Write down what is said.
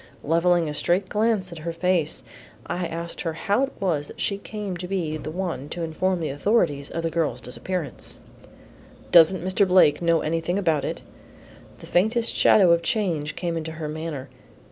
Levelling a straight glance at her face, I asked her how it was that she came to be the one to inform the authorities of the girl's disappearance. "Doesn't Mr. Blake know anything about it?" The faintest shadow of a change came into her manner.